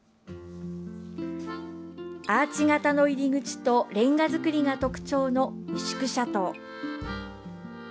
アーチ形の入り口とレンガ造りが特徴の牛久シャトー。